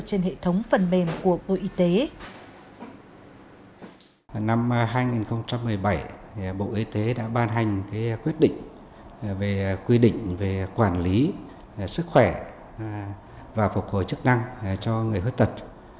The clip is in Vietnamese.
trong năm hai nghìn một mươi bảy bộ y tế đã ban hành quyết định về quản lý sức khỏe và phục hồi chức năng cho người khuyết tật